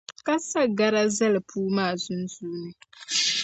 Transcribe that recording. ka sa gara zali puu maa sunsuuni.